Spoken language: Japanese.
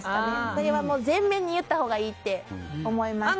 それはもう全面に言ったほうがいいって思いました。